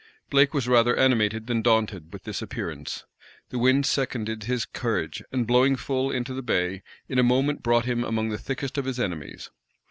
Blake was rather animated than daunted with this appearance. The wind seconded his courage, and blowing full into the bay, in a moment brought him among the thickest of his enemies.